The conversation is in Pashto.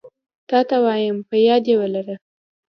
تاته وايم په ياد يي ولره